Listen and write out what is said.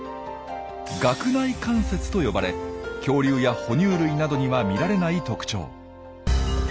「顎内関節」と呼ばれ恐竜や哺乳類などには見られない特徴。